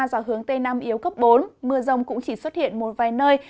do hướng tây nam yếu cấp bốn mưa rông cũng chỉ xuất hiện một vài nơi